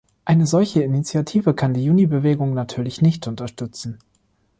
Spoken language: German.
Eine solche Initiative kann die Junibewegung natürlich nicht unterstützen.